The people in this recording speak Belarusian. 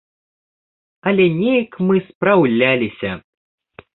Але неяк мы спраўляліся.